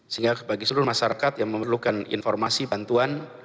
sehingga bagi seluruh masyarakat yang memerlukan informasi bantuan